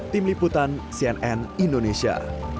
tim liputan cnn indonesia